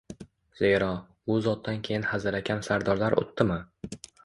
Zero, u zotdan keyin hazilakam sardorlar o‘tdimi?!.